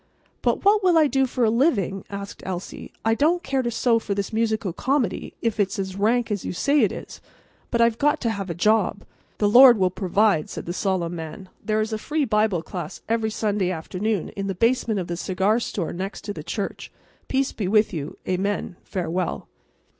"But what will I do for a living?" asked Elsie. "I don't care to sew for this musical comedy, if it's as rank as you say it is; but I've got to have a job." "The Lord will provide," said the solemn man. "There is a free Bible class every Sunday afternoon in the basement of the cigar store next to the church. Peace be with you. Amen. Farewell."